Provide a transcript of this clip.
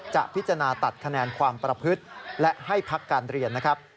จะพิจารณาตัดคะแนนความประพฤติและให้พักการเรียนนะครับ